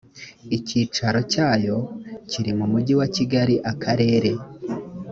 icyicaro cyayo kiri mu mujyi wa kigali akarere